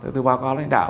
tôi báo cáo lãnh đạo